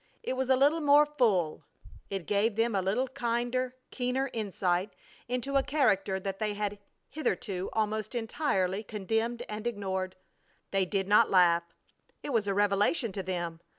It was a little more full; it gave them a little kinder, keener insight into a character that they had hitherto almost entirely condemned and ignored. They did not laugh! It was a revelation to them.